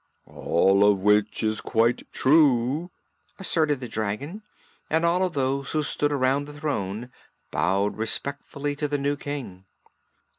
"All of which is quite true," asserted the dragon, and all of those who stood around the throne bowed respectfully to the new King.